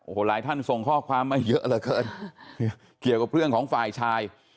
โอ้โหหลายท่านส่งข้อความมาเยอะเหลือเกินเกี่ยวกับเรื่องของฝ่ายชาย